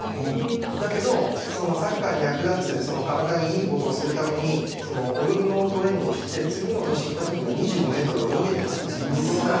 だけど、サッカーに役立つ体にいいことをするために泳ぎのトレーニングをしていて次の年に行ったときは２５メートルを泳げていました。